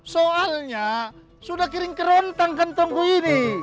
soalnya sudah kering kerontang kantongku ini